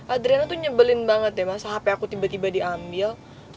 adriana tuh nyebelin banget deh masa hp aku tiba tiba diambil